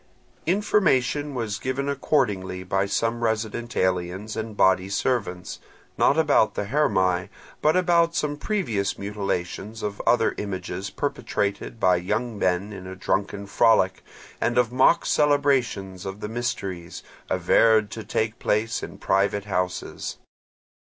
Information was given accordingly by some resident aliens and body servants, not about the Hermae but about some previous mutilations of other images perpetrated by young men in a drunken frolic, and of mock celebrations of the mysteries, averred to take place in private houses.